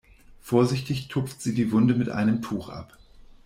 Vorsichtig tupft sie die Wunde mit einem Tuch ab.